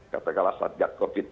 katakanlah saat gak covid